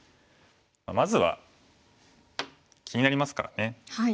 まずは気になりますからね。